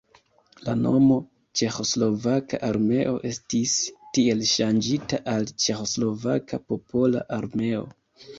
La nomo Ĉeĥoslovaka armeo estis tiel ŝanĝita al Ĉeĥoslovaka popola armeo.